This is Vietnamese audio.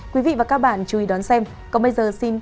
quý vị và các bạn chú ý đón xem còn bây giờ xin kính chào tạm biệt